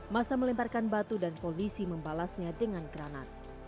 masa melemparkan batu dan polisi membalasnya dengan granat